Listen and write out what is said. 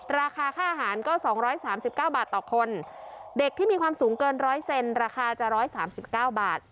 ราคาค่าอาหารก็สองร้อยสามสิบเก้าบาทต่อคนเด็กที่มีความสูงเกินร้อยเซนราคาจะร้อยสามสิบเก้าบาท